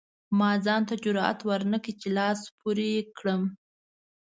ما ځان ته جرئت ورنکړ چې لاس پورې کړم.